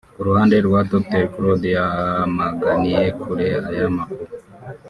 Ku ruhande rwa Dr Claude yamaganiye kure aya makuru